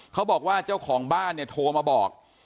เขาบอกว่าเจ้าของบ้านเนี่ยโทรมาบอก